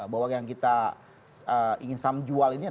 bahwa yang kita ingin samjual ini